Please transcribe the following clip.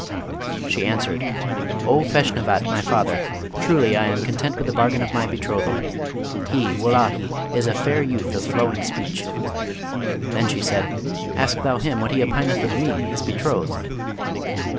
She answered, "O Feshnavat, my father, truly I am content with the bargain of my betrothal. He, Wullahy, is a fair youth of flowing speech.' Then she said, 'Ask thou him what he opineth of me, his betrothed?"